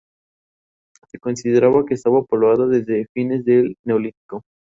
Está compuesta por un pequeño núcleo y varias casas dispersas.